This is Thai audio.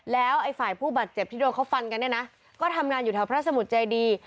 แล้วไอ้ฝ่ายผู้บาดเจ็บที่โดนเขาฟันกันเนี่ยนะก็ทำงานอยู่แถวพระสมุทรเจดี